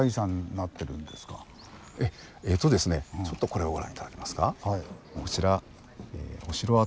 えとちょっとこれをご覧頂けますか。